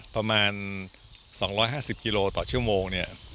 ประมาณ๒๕๐กิโลต่อชั่วโมงเนี่ย